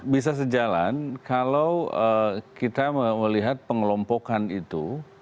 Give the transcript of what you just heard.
bisa sejalan kalau kita melihat pengelompokan itu